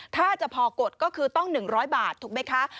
ถ้าจะพอกดก็คือต้อง๑๐๐บาทถูกไหมคะ